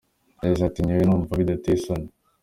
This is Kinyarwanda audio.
Yagize ati “Njyewe numva bidateye isoni.